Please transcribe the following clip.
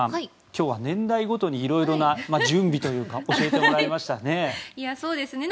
今日は年代ごとにいろいろな準備というか教えてもらいましたね。